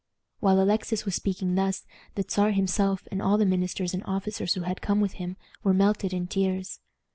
While Alexis was speaking thus, the Czar himself, and all the ministers and officers who had come with him, were melted in tears.